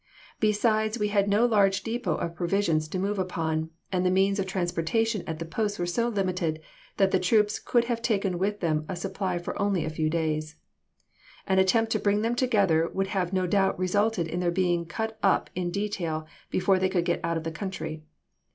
Besides we had no large depot of provisions to move upon, and the means of transportation at the posts were so limited that the troops could have taken with them a supply for only a few days. An attempt to bring them together would have no doubt resulted in their being cut up in detail before they could get out of the country.